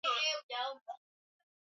Bukali bunaisha bote